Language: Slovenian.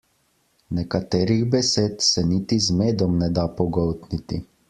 Nekaterih besed se niti z medom ne da pogoltniti.